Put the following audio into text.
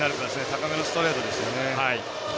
高めのストレートですよね。